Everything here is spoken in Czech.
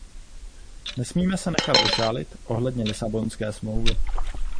Nesmíme se nechat ošálit ohledně Lisabonské smlouvy.